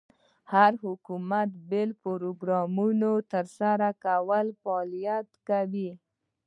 هر حکومت بېل پروګرامونه تر سره کول او فعالیت یې کاوه.